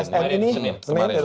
nah kemarin kemarin